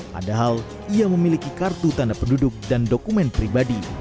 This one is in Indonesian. padahal ia memiliki kartu tanda penduduk dan dokumen pribadi